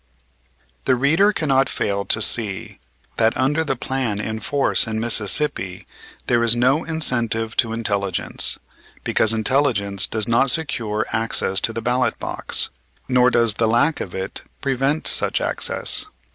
The reader cannot fail to see that under the plan in force in Mississippi there is no incentive to intelligence; because intelligence does not secure access to the ballot box, nor does the lack of it prevent such access.